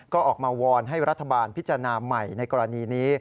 ก็ออกมาวอนให้รัฐบาลพิจารณาใหม่ในกรณีนี้